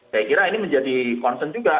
saya kira ini menjadi concern juga